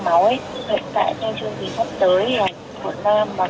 đạt mật thật kỵ các chỉ số bất thường về trong máu